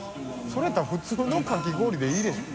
それやったら普通のかき氷でいいでしょ。